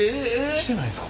してないんですか？